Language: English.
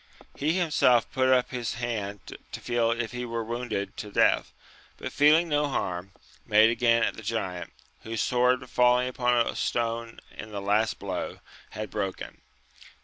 He himself put up his hand to feel if he were wounded to death, but feeling no harm, made again at the giant, whose sword falling upon a stone in the last blow had broken.